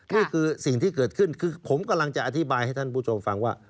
นี่คือสิ่งที่เกิดขึ้นคือผมกำลังจะอธิบายให้ท่านผู้ชมฟังว่า